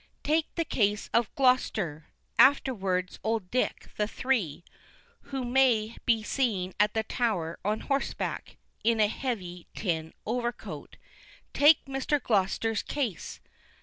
Take the case of Gloster, afterwards Old Dick the Three, who may be seen at the Tower on horseback, in a heavy tin overcoat take Mr. Gloster's case.